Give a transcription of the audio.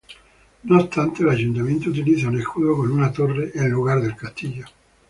No obstante, el ayuntamiento utiliza un escudo con una torre, en lugar del castillo.